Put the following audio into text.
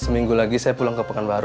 seminggu lagi saya pulang ke pekanbaru